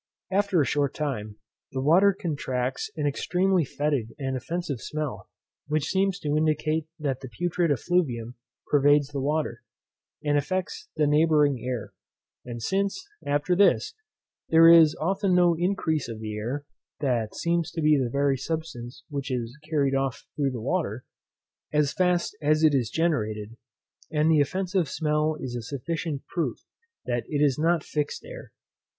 After a short time, the water contracts an extremely fetid and offensive smell, which seems to indicate that the putrid effluvium pervades the water, and affects the neighbouring air; and since, after this, there is often no increase of the air, that seems to be the very substance which is carried off through the water, as fast as it is generated; and the offensive smell is a sufficient proof that it is not fixed air.